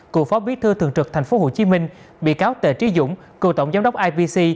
cựu phó bí thư thường trực tp hcm bị cáo tề trí dũng cựu tổng giám đốc ipc